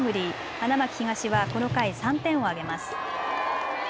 花巻東はこの回３点を挙げます。